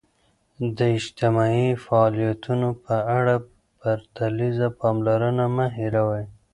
د اجتماعي فعالیتونو په اړه پرتلیزه پاملرنه مه هېروئ.